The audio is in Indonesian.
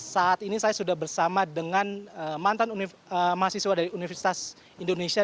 saat ini saya sudah bersama dengan mantan mahasiswa dari universitas indonesia